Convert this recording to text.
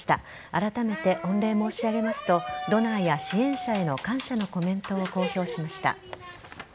あらためて御礼申し上げますとドナーや支援者への感謝のコメントを公表しました。